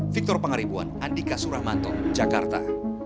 victor pangaribuan andika suramanto jakarta